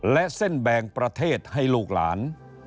และเส้นแบ่งประเทศให้ลูกหลาน